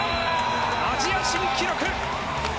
アジア新記録！